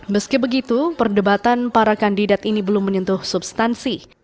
meski begitu perdebatan para kandidat ini belum menyentuh substansi